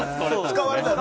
使われた。